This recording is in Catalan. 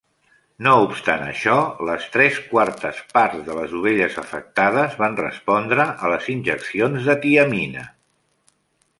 No obstant això, les tres quartes parts de les ovelles afectades van respondre a les injeccions de tiamina.